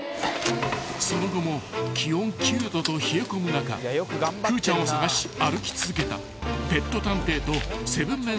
［その後も気温９℃と冷え込む中くーちゃんを捜し歩き続けたペット探偵と７ＭＥＮ